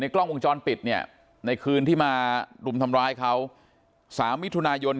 กล้องวงจรปิดเนี่ยในคืนที่มารุมทำร้ายเขา๓มิถุนายน